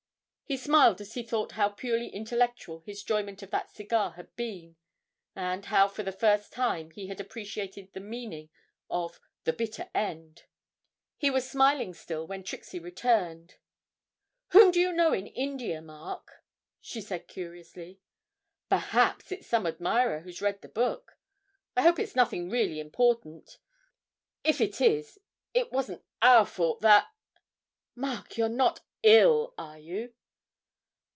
He smiled as he thought how purely intellectual his enjoyment of that cigar had been, and how for the first time he had appreciated the meaning of 'the bitter end;' he was smiling still when Trixie returned. 'Whom do you know in India, Mark?' she said curiously; 'perhaps it's some admirer who's read the book. I hope it's nothing really important; if it is, it wasn't our fault that Mark, you're not ill, are you?'